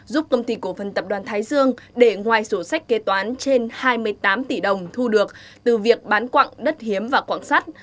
giúp công ty cổ phần tập đoàn thái dương để ngoài sổ sách kế toán trên hai mươi tám tỷ đồng thu được từ việc bán quạng đất hiếm và quạng sắt